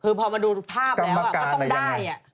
ตัวประมาณการณ์อ่ะยังไงก็ต้องได้